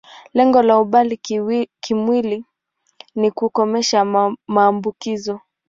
Lengo la umbali kimwili ni kukomesha maambukizo.